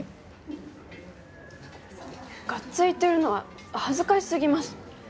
がっついてるのは恥ずかし過ぎます。